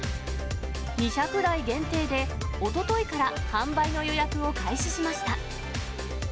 ２００台限定でおとといから販売の予約を開始しました。